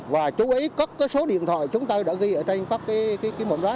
và chú ý có số điện thoại chúng ta đã ghi ở trên các môn đó